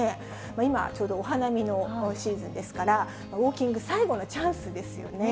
今、ちょうどお花見のシーズンですから、ウォーキング最後のチャンスですよね。